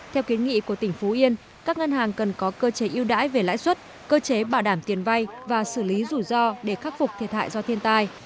theo kiến nghị của tỉnh phú yên các ngân hàng cần có cơ chế yêu đãi về lãi suất cơ chế bảo đảm tiền vay và xử lý rủi ro để khắc phục thiệt hại do thiên tai